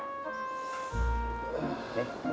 nih minum obat nih dari cemilan